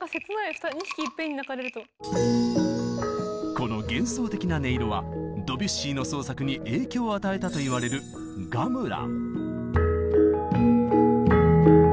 この幻想的な音色はドビュッシーの創作に影響を与えたといわれるガムラン。